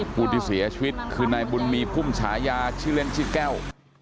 ผู้ที่เสียชีวิตคือนายบุญมีพุ่มฉายาชื่อเล่นชื่อแก้ว